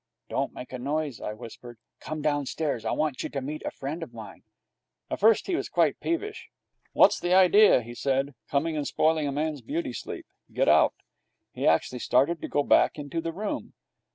'Don't make a noise,' I whispered. 'Come on downstairs. I want you to meet a friend of mine.' At first he was quite peevish. 'What's the idea,' he said, 'coming and spoiling a man's beauty sleep? Get out.' He actually started to go back into the room.